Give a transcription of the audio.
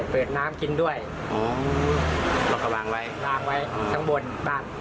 เปิดน้ำกินด้วยแล้วก็วางไว้วางไว้ทั้งบนบ้าน